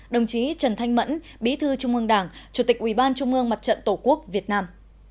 đồng chí trần thanh mẫn bí thư trung ương đảng chủ tịch ủy ban trung ương mặt trận tổ quốc việt nam